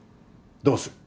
どうする？